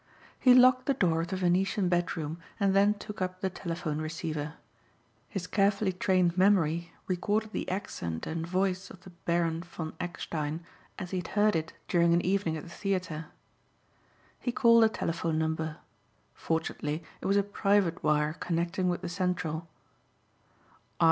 He locked the door of the Venetian bedroom and then took up the telephone receiver. His carefully trained memory recorded the accent and voice of the Baron von Eckstein as he had heard it during an evening at the theater. He called a telephone number. Fortunately it was a private wire connecting with the central.